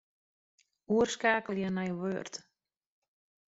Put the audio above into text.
Oerskeakelje nei Word.